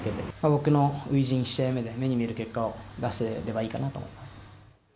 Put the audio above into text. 僕の初陣、１試合目で、目に見える結果を出せればいいかなと思います。